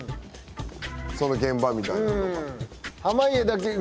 その現場みたいなんとか。